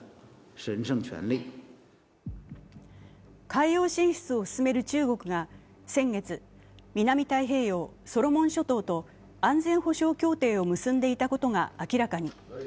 海洋進出を進める中国が先月、南太平洋ソロモン諸島と安全保障協定を結んでいたことが明らかに。